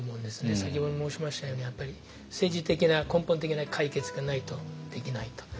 先ほど申しましたようにやっぱり政治的な根本的な解決がないとできないと。